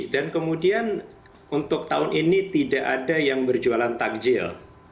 dan kemudian untuk tahun ini tidak ada yang berjualan takjil